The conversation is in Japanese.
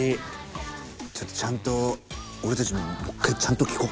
ちょっとちゃんと俺たちももう一回ちゃんと聞こう。